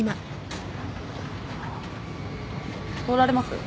通られます？